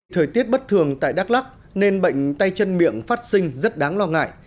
thời tiết bất thường tại đắk lắc nên bệnh tay chân miệng phát sinh rất đáng lo ngại